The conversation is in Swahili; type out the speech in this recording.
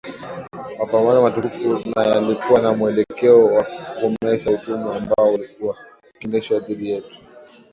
mapambano matukufu na yalikuwa na mwelekeo wa kukomesha utumwa ambao ulikuwa ukiendeshwa dhidi yetu